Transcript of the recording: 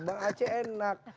bang aceh enak